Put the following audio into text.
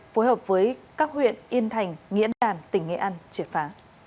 phối hợp với các huyện yên thành nghĩa đàn tỉnh nghệ an triệt phá